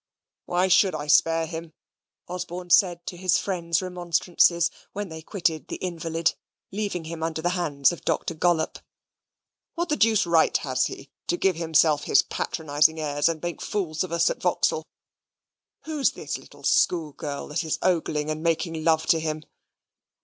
"Why should I spare him?" Osborne said to his friend's remonstrances, when they quitted the invalid, leaving him under the hands of Doctor Gollop. "What the deuce right has he to give himself his patronizing airs, and make fools of us at Vauxhall? Who's this little schoolgirl that is ogling and making love to him?